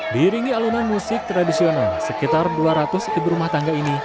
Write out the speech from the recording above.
diiringi alunan musik tradisional sekitar dua ratus ibu rumah tangga ini